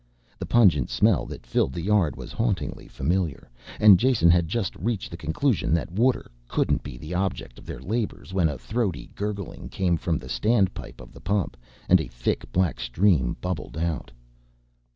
The pungent smell that filled the yard was hauntingly familiar, and Jason had just reached the conclusion that water couldn't be the object of their labors when a throaty gurgling came from the standpipe of the pump and a thick black stream bubbled out.